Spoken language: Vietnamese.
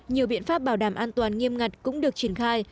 nhiều biện pháp bảo đảm an toàn nghiêm ngặt cũng được triển khai